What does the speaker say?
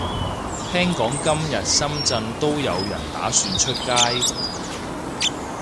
聽講今日深圳都有人打算出街